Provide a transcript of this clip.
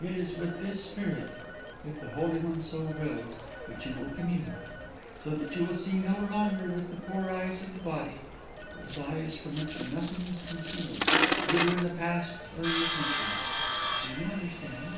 It is with this Spirit, if the Holy One so wills, that you will commune, so that you will see no longer with the poor eyes of the body, but with eyes from which nothing is concealed, either in the past or in the future. Do you understand?"